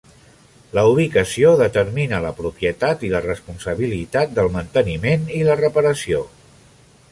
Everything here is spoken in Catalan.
La ubicació determina la propietat i la responsabilitat del manteniment i la reparació.